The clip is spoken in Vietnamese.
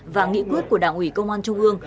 và nghị quyết của đảng ủy công an trung ương